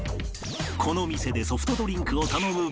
この店でソフトドリンクを頼む場合